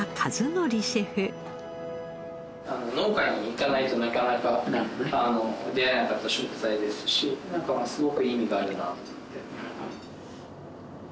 あの農家に行かないとなかなか出会えなかった食材ですしなんかすごく意味があるなって。